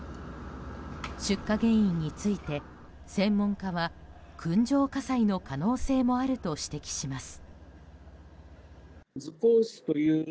出火原因について、専門家は燻蒸火災の可能性もあると指摘します。